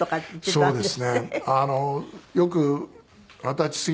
そうです。